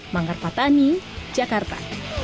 manggar patani jakarta